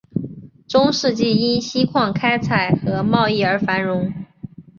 中世纪因锡矿开采和贸易而繁荣。